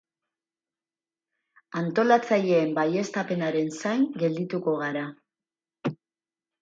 Antolatzaileen baieztapenaren zain geldituko gara.